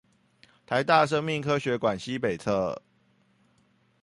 臺大生命科學館西北側